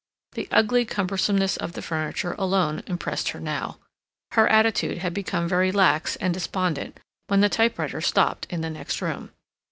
The ugly cumbersomeness of the furniture alone impressed her now. Her attitude had become very lax and despondent when the typewriter stopped in the next room.